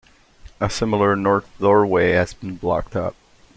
A similar north doorway has been blocked up.